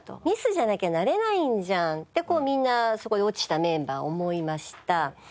ミスじゃなきゃなれないんじゃんってこうみんなそこで落ちたメンバー思いました。